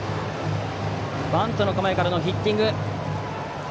バントの構えからのヒッティング。